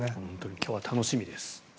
今日は楽しみです。